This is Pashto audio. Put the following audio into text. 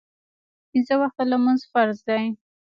پینځه وخته لمونځ فرض دی